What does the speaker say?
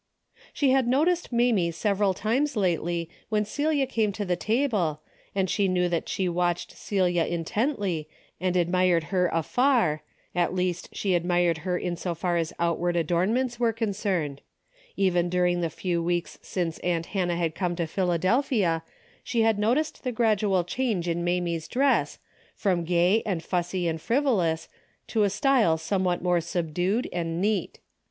She had noticed Mamie several times lately when Celia came to the table, and she knew that she watched Celia intently and admired her afar, at least she admired her in so far as outward adornments were concerned. Even during the few weeks since aunt Hannah had come to Philadelphia, she had noticed the gradual change in Mamie's dress, from gay and fussy and frivolous, to a style somewhat 210 A DAILY BATEA' more subdued and neat.